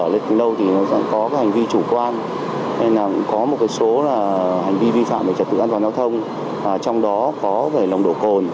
lâu thì có hành vi chủ quan có một số hành vi vi phạm về trật tự an toàn giao thông trong đó có về nồng độ cột